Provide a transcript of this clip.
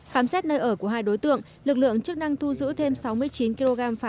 khám xét nơi ở của hai đối tượng lực lượng chức năng thu giữ thêm sáu mươi chín kg pháo